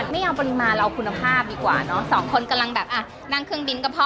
ไม่เอาปริมาณเราคุณภาพดีกว่าน้อง๒คนกำลังนั่งเครื่องบินกับพ่อ